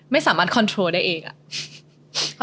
ไม่สามารถโคลส์ได้เองอะ